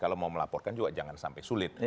kalau mau melaporkan juga jangan sampai sulit